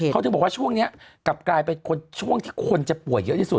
เขาถึงบอกว่าช่วงนี้กลับกลายเป็นช่วงที่คนจะป่วยเยอะที่สุด